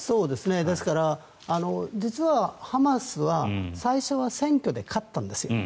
ですから、実はハマスは最初は選挙で勝ったんですよ。